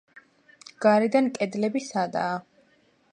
გარედან კედლები სადაა.